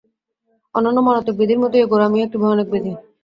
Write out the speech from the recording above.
অন্যান্য মারাত্মক ব্যাধিরই মত এই গোঁড়ামিও একটি ভয়ানক ব্যাধি।